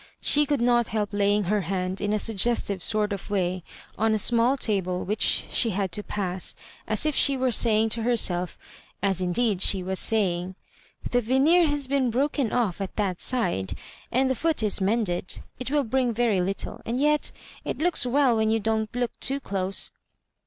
She could not help laymg her band in a suggestive sort of way on a small table which she had to pass, as if she were saying to herself (as indeed she was saying), "The veneer has been broken off at that side, and the foot is mend> ed; it will bring very little ; and yet it looks well when you don't look too dose."